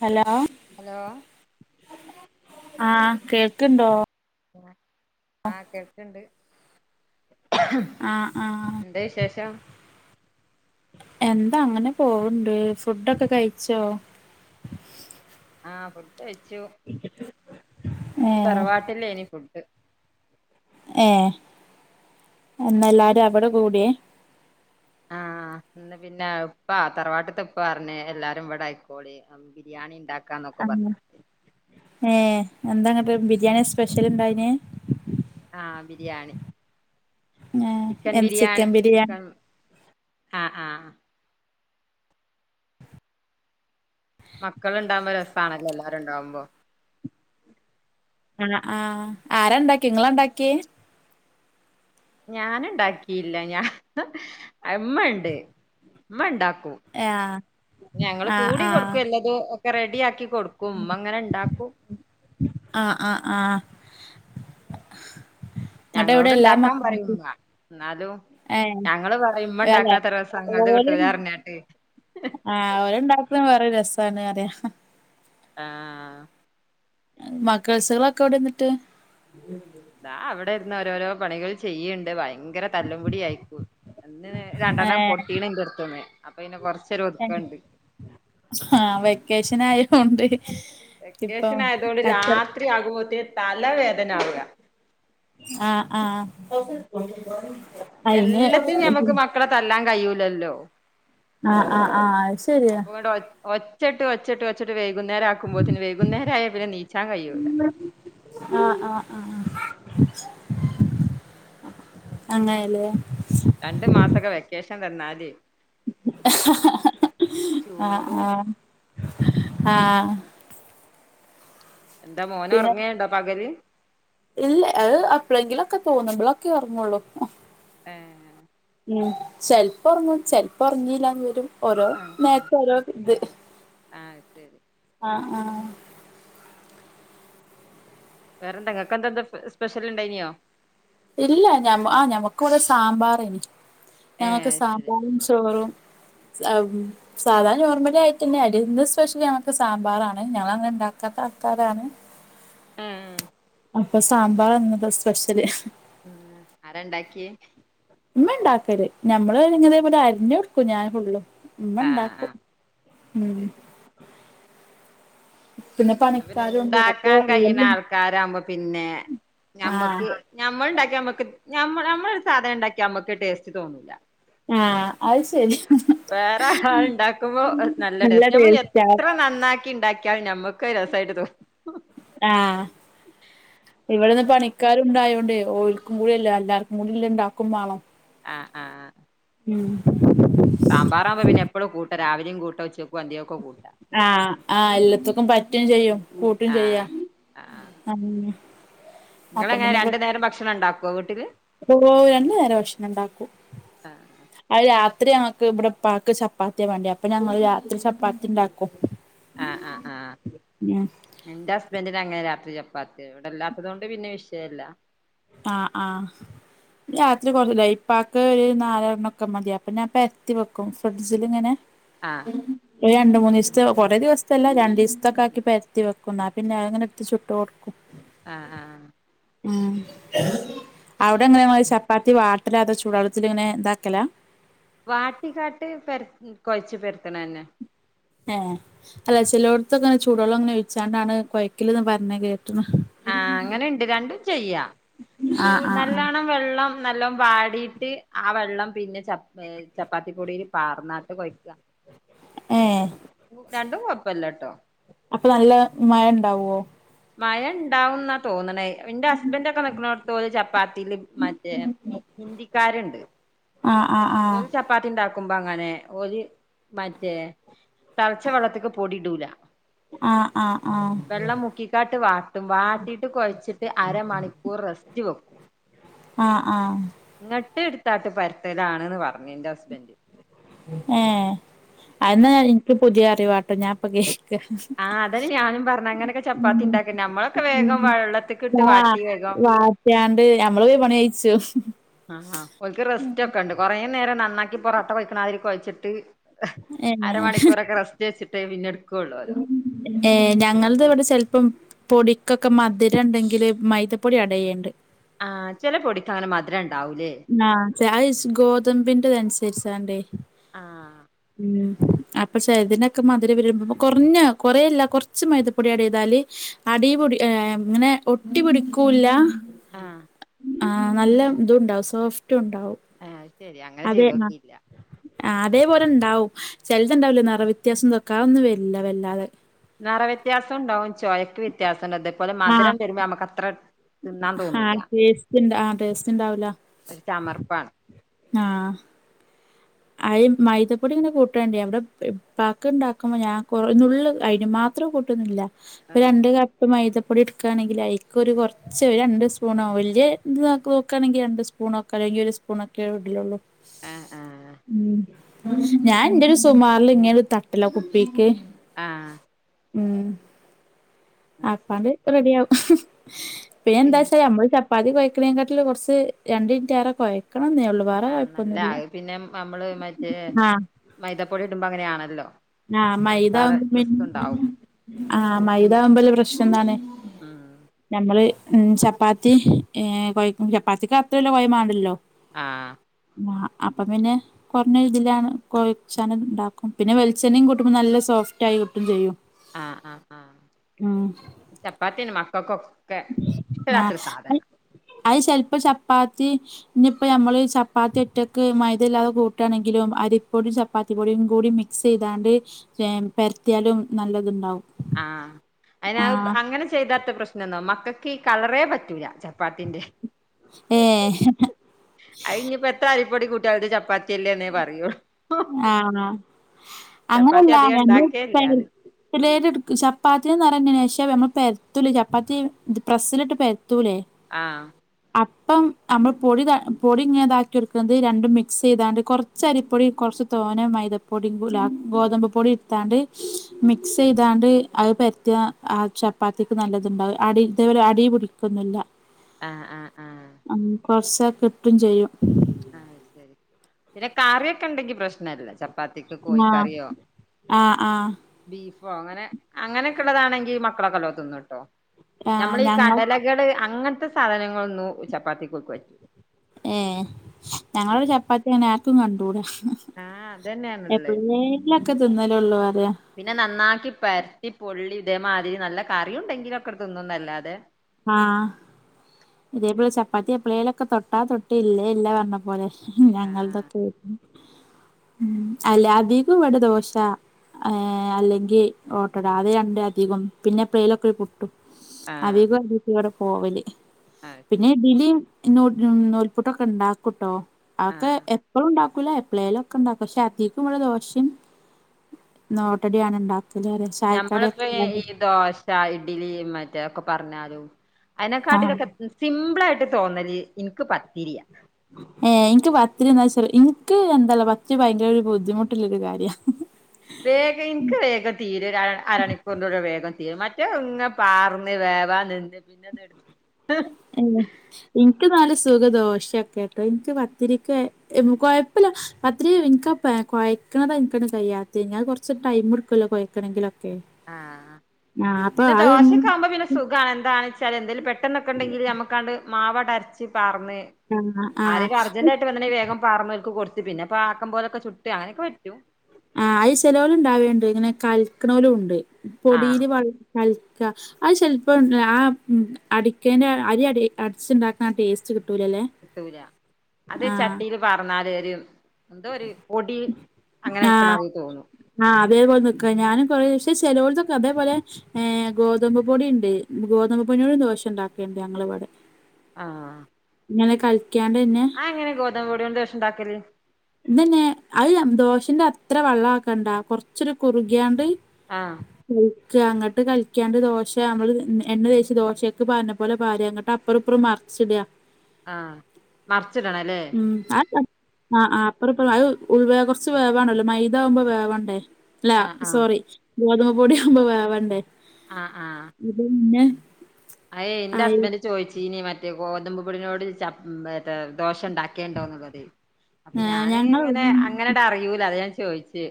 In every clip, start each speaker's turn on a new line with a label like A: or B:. A: Hello
B: hello
A: ആ കേക്ക്ണ്ടോ
B: ആഹ് കേൾക്ക്ണ്ട്
A: ആഹ് ആഹ്
B: എന്താ വിശേഷം?
A: എന്താ അങ്ങനെ പോവ്ണ്ട് ഫുഡൊക്കെ കഴിച്ചോ
B: ആ ഫുഡ് കഴിച്ചു ഇന്ന്
A: ഏഹ്
B: തറവാട്ടിലേനി ഫുഡ്
A: ഏ ഇന്നെല്ലാരും അവടെ കൂടെ
B: ആ ഇന്ന് പിന്നെ ഇപ്പാ തറവാട്ട്ത്തെ ഇപ്പ പറഞ്ഞ് എല്ലാരും ഇവിടെ ആയിക്കോളി ബിരിയാണി ഇണ്ടാ
A: ആ ഏ എന്താ ഇങ്ങട്ട് ബിരിയാണിയാ സ്പെഷ്യൽ ഉണ്ടായിനിയെ
B: ആഹ് ബിരിയാണി
A: ഏഹ്
B: ചിക്കൻ
A: എന്ത്
B: ബിരിയാണി
A: ബിരിയാണി
B: ചിക്കൻ ആഹ് ആഹ് മക്കളുണ്ടാവുമ്പൊ രസാണല്ലോ എല്ലാരും ഉണ്ടാകുമ്പോ
A: ആഹ് ആരാ ഇണ്ടാക്കി ഇങ്ങളാണ്ടാക്കിയെ
B: ഞൻ ഉണ്ടാക്കില്ല ഞാ ഇമ്മ ഉണ്ട് ഇമ്മ ഉണ്ടാക്കും
A: ആഹ്
B: ഞങ്ങള്
A: ആഹ്
B: കൂടി
A: ആഹ്
B: കൊടുക്കും എല്ലാതും ഒക്കെ റെഡി ആക്കി കൊടുക്കും ഉമ്മ ഇങ്ങനെ ഉണ്ടാക്കും.
A: ആഹ് ആഹ് ആഹ് ഇന്നട്ട് എവിടെ
B: ഞങ്ങളോട്
A: എല്ലാ
B: ഉണ്ടാക്കാൻ
A: മക്ക
B: പറയും ഉമ്മ എന്നാലും
A: ഏഹ്
B: ഞങ്ങള് പറയും
A: അല്ലെ
B: ഉമ്മണ്ടാക്ക്ണത്ര രസം ഞങ്ങൾത്
A: ഓല്
B: കിട്ടൂല പർഞ്ഞാട്ട്
A: ആഹ് ഓൽ ഉണ്ടാക്ക്ണ വേറൊരു രസാണ് പറയാ
B: ആഹ്
A: മക്കൾസ്കളൊക്കെ എവ്ടെ എന്നിട്ട്
B: ഇതാ അവടെ ഇര്ന്ന് ഓരോരോ പണികൾ ചെയ്യ്ണ്ട് ഭയങ്കര തല്ലുംപുടി ആയിട്ട് ഇന്ന് രണ്ടെണ്ണം
A: ഏഹ്
B: പൊട്ടീണ് ഇന്റെ അടുത്ത്ന്ന് അപ്പൊ പിന്നെ കുറച്ചൊരു ഒതുക്കണ്ട്
A: ആഹ് വെക്കേഷൻ ആയോണ്ട് ഇപ്പൊ
B: വെക്കേഷൻ ആയതോണ്ട്
A: കച്ചറ
B: രാത്രി ആകുമ്പോത്തിന് തലവേദന ആവാ
A: ആഹ് ആഹ് അയിന്
B: എല്ലത്തിനും ഞമ്മക്ക് മക്കളെ തല്ലാൻ കയ്യൂല്ലല്ലോ
A: ആഹ് ആഹ് ആഹ് അഹ് ശരിയാ
B: അപ്പൊ ഇങ്ങട്ട് ഒ ഒച്ചട്ട് ഒച്ചട്ട് ഒച്ചട്ട് വൈകുന്നേരം ആക്കുമ്പോത്തിന് വൈകുന്നേര ആയ പിന്നെ നീച്ചാൻ കഴിയൂല്ല
A: ആഹ് ആഹ് ആഹ് അങ്ങനെല്ലേ.
B: രണ്ടു മാസ ഒക്കെ വെക്കേഷൻ തന്നാൽ
A: ആഹ്
B: ചൂടും
A: ആഹ് ആഹ്
B: എന്താ മോന്
A: പിന്നെ
B: ഉറങ്ങേണ്ടോ പകല്.
A: ഇല്ല അത് എപ്പോളെങ്കിലൊക്കെ തോന്നുമ്പളൊക്കെ ഒറങ്ങോള്ളൂ
B: ഏഹ്.
A: ഉം ചിലപ്പോ ഒറങ്ങും ചിലപ്പോ ഒറങ്ങീല്ലാന്ന് വരും ഓരോ നേര്ത്ത്
B: ആ
A: ഓരോ ഇത്
B: ശരി
A: ആഹ് ആഹ്
B: വേറെ എന്താ ഇങ്ങക്കെന്താ സ്പെഷ്യൽ ഉണ്ടായിരുന്നോ
A: ഇല്ല ഞ ആഹ് ഞമ്മക്ക് ഇവിടെ സാമ്പാറേനി
B: ഏ
A: ഞങ്ങൾക്ക്
B: ശരി
A: സാമ്പാറും ചോറും ഉം സാധാരണ നോർമലായിട്ടന്നെ ഇന്ന് സ്പെഷ്യല് ഞങ്ങക്ക് സാമ്പാറാണ് ഞങ്ങള അങ്ങനെ ഇണ്ടാക്കാത്ത ആൾക്കാരാണ്.
B: ആ
A: അപ്പൊ സാമ്പാർ ഇന്നത്തെ സ്പെഷ്യല്.
B: ആഹ് ആരാ ഇണ്ടാക്കിയേ
A: ഇമ്മ ഇണ്ടാക്കല് നമ്മള് പിന്നെ ഇതേപോലെ അര്ഞ്ഞ് കൊടുക്കും ഞാൻ ഫുള്ളും ഇമ്മ
B: ആ ആ
A: ഉണ്ടാക്കും ഉം പിന്നെ
B: അത് പിന്നെ
A: പണിക്കാരുണ്ട് അപ്പൊ
B: ണ്ടാക്കാൻ കഴിയ്ണ
A: ഓലും
B: ആൾക്കാരകുമ്പോ പിന്നെ
A: ആഹ്
B: ഞമ്മക്ക്. നമ്മൾ ഉണ്ടാക്കി നമ്മക്ക് മ്മ നമ്മളൊരു സാധനം ഉണ്ടാക്കി നമ്മക്കത് ടേസ്റ്റ് തോന്നൂല്ല.
A: ആഹ് അയ് ശരി.
B: വേറെ ആൾ ണ്ടാക്കുമ്പോ നല്ല ടേസ് ഞമ്മൾ എത്ര നന്നാക്കി ണ്ടാക്കി. ട്ടാലും ഞമ്മക്കത് രസായിട്ട് തോന്നും.
A: ആഹ്. ഇവിടെന്ന് പണിക്കാാരുംണ്ടായോണ്ടേ ഓൽക്കുംകൂടിള്ള എല്ലാർക്കും കൂടി ഇല്ലത് ണ്ടാക്കും മാണം.
B: ആഹ് ആഹ് ആഹ്.
A: ഉം
B: സാമ്പാറാകുമ്പോ പിന്നെപ്പളും കൂട്ട രാവിലിം കൂട്ട ഉച്ച.
A: ആഹ് ആഹ് എല്ലത്ത്ക്കും പറ്റും ചെയ്യും കൂട്ടും ചെയ്യാ.
B: ആഹ്
A: അന്നെ.
B: ങ്ങളങ്ങനെ രണ്ടു നേരം ഭക്ഷണം ഉണ്ടാക്കുവോ വീട്ടില്.
A: ഓഹോ രണ്ടു നേരം ഭഷണംണ്ടാക്കും.
B: ആഹ്
A: അത് രാത്രി ഞങ്ങക്ക് ഇവിടെ പ്പാക്ക് ചപ്പാത്തിയ വാണ്ടി അപ്പൊ ഞങ്ങള് രാത്രി ചപ്പാത്തിണ്ടാക്കും.
B: ആഹ് ആഹ് ആഹ് ആഹ്. ന്റെ ഹസ്ബൻഡ്ന് അങ്ങനെ രാത്രി ചപ്പാത്തിയ. ഇവിടെല്ലാത്തത് കൊണ്ട് പിന്നെ വിഷയല്ല.
A: ആഹ് ആഹ്. രാത്രി കൊറ് ഇപ്പാക്ക് ഒരു നാലെണ്ണ ഒക്കെ മതി അപ്പൊ ഞാൻ പര്ത്തി വെക്കും ഫ്രിഡ്ജില്ങ്ങനെ.
B: ആഹ്.
A: ര് രണ്ട് മൂന്ന് ദിവസത്തെ കുറേ ദിവസത്തെല്ല രണ്ടീസ്ത്തൊക്കെ ആക്കി പരത്തി വെക്കും. ന്നപിന്നെ അത്ങ്ങനെ ട്ത്ത് ചുട്ട് കൊടു. ക്കും.
B: ആഹ് ആഹ്.
A: ആഹ്. അവിടെങ്ങനെ ങ്ങൾ ചപ്പാ. ത്തി വാട്ടലാ അതൊ ചൂടുവള്ളത്തിൽ ഇങ്ങനെ ഇതാക്കല.
B: വാട്ടിക്കാട്ട് പര് കൊഴച്ച് പര്ത്തണന്നെ.
A: ഏഹ്. അല്ല ചെലോട്ത്ത്ങ്ങനെ ചൂടുവെള്ളം ങ്ങനെ ഒഴിച്ചാണ്ടാണ് കൊയ്ക്കൽന്ന് പറഞ്ഞ് കേട്ട്ണ്.
B: ആഹ് അങ്ങനെ ണ്ട് രണ്ടും ചെയ്യാ ചു
A: ആഹ് ആഹ് ആഹ്
B: നല്ലോണം. വെള്ളം നല്ലോം വാടിട്ട് ആ വെള്ളം പിന്നെ ചപ്പ. ചപ്പാത്തി പൊടീൽ പാർന്നാട്ട് കൊയ്ക്ക. രണ്ട്
A: ഏഹ്
B: രണ്ടും കൊഴപ്പല്ലട്ടോ.
A: അപ്പൊ നല്ല മഴണ്ടാവൊ
B: മഴ ഉണ്ടാവുംന്നാ തോന്നണേ ഇന്റെ ഹസ്ബൻഡൊക്കെ നിക്ക്ണോട്ത്തോല് ചപ്പാത്തീല് മറ്റേ ഹിന്ദിക്കാര്ണ്ട്
A: ആഹ് ആഹ് ആഹ്
B: പ്പാത്തി ഉണ്ടാക്കുമ്പോ അങ്ങനെ ഒരു മറ്റേ തള്ച്ച വെള്ളത്ത്ക്ക് പൊടി ടൂല
A: ആഹ് ആഹ് ആഹ്
B: വെള്ളം മുക്കിക്കാട്ട് വാ ട്ടും വാട്ടീട്ട് കോയച്ചിട്ട് അരമണിക്കൂറ് റെസ്റ്റ് വെക്കും
A: ആഹ് ആഹ്
B: ന്നട്ട് എടുത്താട്ട് പരുത്തലാണ്ന്ന് പറഞ്ഞു ന്റെ ഹസ്ബൻഡ്
A: ഏ അയ്ന്നാ ഇൻക്ക് പുതിയ അറിവാട്ടോ ഞാൻപ്പൊ കേക്കാ
B: ആ അതെന്നേ ഞാനും പറഞ്ഞേ അങ്ങനൊക്കെ ചപ്പാത്തിണ്ടാക്കേ നമ്മളൊക്കെ വേഗം വെള്ളത്തിക്ക്ട്ട് വാട്ടി വേഗം
A: ട്ട്യാണ്ട് ഞമ്മള് വേം പണിയ്ച്ചും
B: ആ ഓൽക്ക് റെസ്റ്റ് ഒക്കെ ണ്ട് കൊറേ നേരം നന്നാക്കി പൊറൊട്ട കൊയ്ക്കണാതിരി കൊയച്ചിട്ട്
A: ഏഹ്
B: അരമണിക്കൂറൊക്കെ റസ്റ്റ് വെച്ചിട്ടെ പിന്നെടു
A: ഏ ഞങ്ങൾത് ഇവടെ ചെൽപ്പം പൊടിക്കൊക്കെ മധുരം ഇണ്ടെങ്കില് മൈദ പൊടി ആടെയ്യേണ്ട്.
B: ആ ചെല പൊടിക്കങ്ങനെ മധുരം ഇണ്ടാവൂലേ?
A: നാ അയ്ഷ് ഗോതമ്പിന്റെത് അൻസരിച്ചാണ്ടേ.
B: ആഹ്
A: ഉം അപ്പ ചെലതിനെക്കെ മധുരം വെരുമ്പം കൊർഞ്ഞാ കൊറേല്ല കൊർച്ച് മൈദപ്പൊടി ആഡൈയ്താല് അടീ പൊടി ഏ ഇങ്ങനെ ഒട്ടി പിടിക്കൂല്ല.
B: ആഹ്
A: ആ നല്ല ഇതുംണ്ടാവും സോഫ്റ്റ് ഇണ്ടാവും.
B: ആ അഹ് ശെരി അങ്ങനെ ചെയ്തൊക്കീല്ല.
A: ആ അതേപോലെ ഇണ്ടാവും ചെല്ത് എന്താവലേ നെറ വിത്യാസം തൊക്കേ അഒന്നും വേർലാ വെല്ലാതെ.
B: നെറ വ്യത്യാസം ഉണ്ടാവും ചൊയക്ക് വ്യത്യാസംണ്ട് അതേ പോലേ മധുരം വരുമ്പോ നമുക്കത്ര
A: ആ ടേസ്റ്റ് ണ്ടാ ആ ടേസ്റ്റ്ണ്ടാവുല.
B: ഒരു ചമർപ്പാണ്
A: ആഹ് അയിം മൈദപ്പൊടി ഇങ്ങനെ കുട്ടേണ്ടി അവടെ പെ ഇപ്പാക്ക്ണ്ടാക്കുമ്പോ ഞാൻ കൊറ നുള്ള് അയ്ന് മാ അത്ര കൂട്ടൊന്നില്ല ഒര്
B: ആഹ്
A: രണ്ട് കപ്പ് മൈദപ്പൊടി എടുക്കാണെങ്കില് അയ്ക്കൊരു കൊർ ച്ച് ഒര് രണ്ട് സ്പൂണോ വല്ല്യേ ഇത് നോക്കാണെങ്കി രണ്ട് സ്പൂണോ ഒക്കെ അല്ലെങ്കി ഒരു സ്പൂണൊക്കെ ഇടലുള്ളൂ.
B: ആഹ് ആഹ്
A: ഉം ഞാന്റെര് സുമാറിൽ ഇങ്ങനെ തട്ടലാ കുപ്പിക്ക്.
B: ആഹ്
A: ഉം
B: അത് ശരി
A: അപ്പാണ്ട് റെഡി ആവും. പിന്നെന്താച്ചാല്
B: പിന്ന
A: നമ്മള് ചപ്പാത്തി കൊയ്‌ക്കെനേം കാട്ടിലും കൊർച്ച് രണ്ടിൻറ്റേറെ കൊയ്ക്കണം ന്നേ ഒള്ളൂ. വേറെ
B: ആ നല്ല
A: കൊഴപ്പൊന്നുല്ല
B: അഹ് പിന്നെ നമ്മള് മറ്റേ
A: ആഹ്
B: മൈദപ്പൊടി ഇടുമ്പോ അങ്ങനെയാണല്ലോ.
A: ആ
B: കൊഴക്കാറ്
A: മൈദാവുമ്പോ പിൻ
B: റിസ്ക് ഉണ്ടാവും
A: ആ മൈദാവുംമ്പള്ള പ്രശ്നം ന്താണ്.
B: ഉം
A: ഞമ്മള് ഉം ചപ്പാത്തി ഏ കൊയ്ക്കും ചപ്പാത്തിക്ക് അത്രല്ല കൊയ മാണ്ടല്ലോ.
B: ആഹ്
A: മാ അപ്പ പിന്നെ കൊർഞ്ഞ ഇതിലാണ് കൊയച്ചാൻ ഇണ്ടാക്കും പിന്നെ വെൽ ച്ചെണ്ണേം കൂട്ടുമ്പോ നല്ല സോഫ്റ്റായി കിട്ടും ചെയ്യും.
B: ആ ആ ആ
A: ഉം
B: ചപ്പാത്തി അയ്ന് മക്കക്കൊ
A: ആ അഹ് അഹ് ചെൽപ്പം ചപ്പാത്തി ഇഞ്ഞിപ്പേ ഞമ്മള് ചപ്പാത്തി ഒറ്റക്ക് മൈദല്ലാതെ കൂട്ടാണെങ്കിലും അരിപ്പൊടി ച പ്പാത്തിപ്പൊടിയും കൂടി മിക്സൈയ്താണ്ട് ഏ പര്ത്തിയാലും നല്ലത്ണ്ടാവും.
B: ആ അയ്നത് അങ്ങനെ ചെയ്താത്തെ പ്രശ് പിന്നെ നമക്കെക്കേ ഈ കളറേ പറ്റൂല ചപ്പാത്തിന്റെ.
A: ഏഹ്
B: അഹ് ഇഞ്ഞിപ്പ എത്ര അരിപ്പൊടി കൂട്ടിയാലും ഇത് ചപ്പാത്തിയല്ലേ ന്നേ പറയൂ.
A: ആണോ
B: ചപ്പാത്തി
A: അങ്ങനെയല്ല
B: അധികം
A: ഞങ്ങൾ
B: ഉണ്ടാക്കേയില്ല
A: [unintelligible] [unintelligible] ചപ്പാത്തിന്നറിന്നനേ പക്ഷേ നമ്മള് പെര്ത്തുലേ ചപ്പാത്തി പ്രസ്സിലിട്ട് പെരത്തൂലേ?
B: ആഹ്
A: അപ്പം നമ്മൾ പൊടി ത പൊടി ഇങ്ങേതാക്കി കൊടുക്കുന്നത് രണ്ടും മിക്സ് ചെയ്താണ്ട് കൊർച്ച് അരിപ്പൊടി കൊർച്ച് തോനേ മൈദപ്പൊടിം കുലാ ഗോതമ്പ് പൊടിം ഇട്ത്താണ്ട് മിക്സ് ചെയ്താണ്ട് അത് പര് [unintelligible] ആ ചപ്പാത്തിക്ക് നല്ലതുണ്ടാവും അടി ഇതേ പോലെ അടീ പിടിക്കൊന്നില്ല.
B: ആഹ് ആ ആഹ്
A: കൊറച്ച കിട്ടും ചെയ്യും.
B: ആഹ് ശരി പിന്നെ കറിയൊക്കെ ഉണ്ടെങ്കി പ്രശ്നല്ല. ചപ്പാത്തിക്ക്
A: ആഹ്
B: കോഴിക്കറിയോ
A: ആഹ് ആഹ്.
B: ബീഫോ അങ്ങനെ അങ്ങനെയൊക്കെ ഉള്ളതാണെങ്കി മക്കളൊക്കെല്ലോ തിന്നുട്ടോ
A: ആഹ്
B: നമ്മളീഈ
A: ഞങ്ങൾ
B: കടല കള് അങ്ങനത്തെ സാധനങ്ങളൊന്നും ചപ്പാത്തിക്ക് ഓൽക്ക് പറ്റുല.
A: ഏ് ഞങ്ങളരു ചപ്പാത്തിയാണ് ആർ ക്കും കണ്ടുട.
B: ആഹ് അതന്നെയാണുള്ളേ
A: എപ്പളേ ങ്കിലൊക്കെ തിന്നലേ ഉള്ളൂ ന്ന റിയാ.
B: പിന്നെ നന്നാക്കി പരത്തിപൊള്ളി ഇതേമാതിരി നല്ല കറി ഉണ്ടെങ്കിലു ഒക്കത്തിന്നുന്നല്ലാതെ.
A: ആഹ ഇതേപെലെ ചപ്പാത്തി എപ്പളേലൊക്കെ തൊട്ടാ തൊട്ട് ഇല്ലേ ഇല്ല പറഞ്ഞ പോലെ. ഞങ്ങളതൊക്കെ
B: ആഹ്
A: അല്ല അധികം ഇവിടെ ദോശ. അല്ലെങ്കിൽ ഓട്ടട അത് രണ്ട് അധികം പിന്നെ എപ്പളെങ്കിലൊക്കെ പുട്ട്.
B: ആഹ്
A: അധികം ഡി കൂടി പോവല്
B: അത്
A: പിന്നെ
B: ശരി
A: ഡിലി. നൂൽപുട്ടൊക്കെ ഉണ്ടാക്കൂട്ടോ അതൊക്കെ
B: ആഹ്
A: എപ്പഴും ണ്ടാക്. ആക്കുല എപ്പളെലും ഒക്കെ ഉണ്ടാക്കും പക്ഷെ അധിക്കും ഇവിടെ ദോഷിം ഓട്ടടിംആണ് നോട്ട ഉണ്ടാക്കല് അറ.
B: ഞമ്മളിപ്പോ ദോ ഇഡലി മറ്റെ ഒക്കെ പറഞ്ഞാലും
A: ആഹ്
B: അതിനെക്കാട്ടിലൊക്കെ. സിമ്പിൾ ആായിട്ട് തോന്നല് എനിക്ക് പത്തിരിയാ.
A: ഏ എനിക്ക് പത്തിരി എന്താച്ച എനിക്ക് എന്താചല് പത്തിരി ഭയങ്കര ഒരു ബുദ്ധിമുട്ടുള്ളരു കാര്യ.
B: വേഗം എനിക്ക് വേഗം തീരും അരണിക്കൂറിന്റെ വേഗം തീരും. മറ്റേ പാർന്ന് വേവാൻ നിന്ന് പിന്നെ എ.
A: അല്ലെ എനിക്ക് നല്ല സുഖദോശയൊക്കെ കേട്ടോ എനിക്ക് പത്തിരിക്ക് കൊഴപ്പില്ല. പത്തിരി എനിക്ക് കൊഴയ്ക്ക്ണത് എന കഴ്യാത്ത കഴിഞ്ഞാൽ കുറച്ച് ടൈം എടുക്കല്ലോ കുഴക്കണെങ്കെ.
B: ആഹ്
A: ആഹ് അപ്പൊ അത്.
B: സുഖമാണ് എന്താണ വെച്ചാൽ എന്തേലും പെട്ടെന്നൊക്കെണ്ടെങ്കിൽ നമുക്കാണ്ട് മാവ്ട് അരച്ച് പ പറന്ന്.
A: ആഹ്
B: ആരക്കും
A: ആഹ്
B: അർജന്റ ആട്ട വെങ്ക വേഗംഅറ്മചക കൊടുു പിന്നെ പ ആക്കം പോലൊക്കെ ചുട്ട് അങ്ങനെയൊക്കെ പറ്റും.
A: ആ അയി ചെലവലും ഉണ്ടാവുണ്ട്. ഇങ്ങനെ കൽക്കണവലും ഉണ്ട്.
B: ആഹ്
A: പൊടിയിൽ വ കൽക്ക. അത് ചെിലപ്പോം ആ അടിക്കേന്റെ അരി അടി അടിച്ചിുണ്ടാക്കുന്ന ആ ടേസ്റ്റ് കിട്ടൂലല്ലേ
B: കിട്ടൂല അത്
A: ആഹ്
B: ചട്ടിയില് പാർന്നാല് ഒരു എന്തോ ഒരു പൊടി.
A: ആഹ്
B: അങ്ങനെക്കണതി തോന്നു.
A: ആഹ് അതേപോലെ നി ക്കുക ഞാനും കുശേഷം ചിലവര്ത് അതേപോലെ. ഏഹ ഹ് ഗോതമ്പ് പൊടിയ ഉണ്ട്. ഗോതമ്പ് പൊടിയോടും ദോശ ഉണ്ടാക്കണ്ട് ഞങ്ങള് വിടെ.
B: ആഹ്.
A: ഇങ്ങനെ കൽക്ക്യാണ്ട് പിന്നെ.
B: അങ്ങനെ ഗോതമ്പൂടി കൊണ്ട് ദോശ ണ്ടാക്കല്.
A: ഇതെന്നെ അത് ദോശന്റെ അത്ര വെള്ളം ആക്കണ്ടാ കൊർചൊരു കുറുകിയാണ്ട്.
B: ആഹ്.
A: [unintelligible] ന്നട്ട് കൽക്ക്യണ്ട് ദോശ നമ്മള് എണ്ണ തേച്ച് ദോശയൊക്കെ പാര്ണ പോലെ പാര ന്നട്ട്. അപ്പറും ഇപ്പറും മർ ച്ച് ടാ.
B: ആഹ് മർച്ചിടണം അല്ലേ.
A: ഉ ആ അപ്പറ ഇപ്പ അത് ഉ കൊർച്ച് വേവണല്ലോ മൈദാകുമ്പോ വേവണ്ടേ. അല്ല
B: ആഹ് ആഹ്
A: സോറി ഗോതമ്പു പൊടി ആവുമ്പോ വേവണ്ടേ
B: ആ ആഹ്
A: ഇത് ഇന്നെ
B: അയയ് എന്റെ ഹസ്ബന്ഡ ചോയ്ച്ചീനി മറ്റേ ഗോതമ്പ് പൊടിനോട് ചപ്പ് മറ്റെ ദോശ ഇണ്ടാക്കേണ്ടോന്ന്ള്ളതെ അപ്പൊ
A: ഏഹ്
B: ഞാന്
A: ഞങ്ങൾ
B: ഇങ്ങനെ അങ്ങനാണ്ട് അറിയൂല അതാ ഞാൻ ചോയിച്ചത്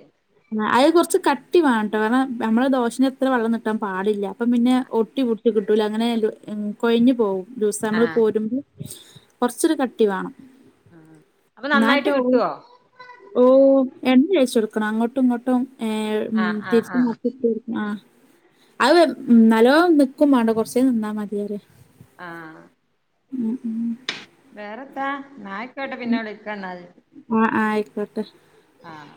A: നെ അത് കൊറച്ച് കട്ടി വാണം ട്ടോ കാരണം നമ്മള് ദോശന്റത്ര വെള്ളം നീട്ടാൻ പാടില്ല അപ്പൊ പിന്നെ ഒട്ടി പുടി കിട്ടൂല അങ്ങനെ എല്ലോ എൻ കൊഴഞ്ഞു പോവും ദിവസമ്മള്
B: ആഹ്
A: കോരുമ്പോ കൊറച്ചൊരു കട്ടി വേണം
B: ആഹ് അപ്പൊ നന്നായിട്ട്
A: ഇന്നാട്ടോ
B: കിട്ടുവോ
A: ഓഹ് എണ്ണീം ഒഴിച്ചൊട്ക്ക്ണോ അങ്ങോ ട്ടും ഇങ്ങോട്ടും ഏഹ്
B: ആഹ് ആഹ്
A: തിരിച്ചും
B: ആഹ്
A: മറിച്ചുട്ട് ആഹ് അത് നല്ലോം നിക്കും മാണ്ട കൊറച്ചേരം നിന്നാ മതിറ്യാ
B: ആഹ്
A: ഉം ഉം
B: വേറെത്താ ഇന്നാ അയിക്കോട്ടെ പിന്നെ വിളിക്കന്നാല്
A: ആഹ് ആഹ് അയിക്കോട്ടെ
B: ആഹ്